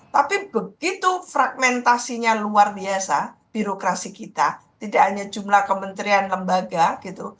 tapi begitu fragmentasinya luar biasa birokrasi kita tidak hanya jumlah kementerian lembaga gitu